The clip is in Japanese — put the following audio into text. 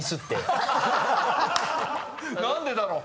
何でだろう？